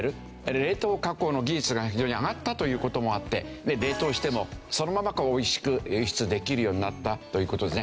冷凍加工の技術が非常に上がったという事もあって冷凍してもそのまま美味しく輸出できるようになったという事ですね。